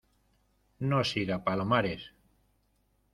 no siga, Palomares.